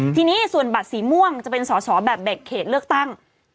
ทีนี้ส่วนบัตรสีม่วงจะเป็นสอสอแบบแบ่งเขตเลือกตั้ง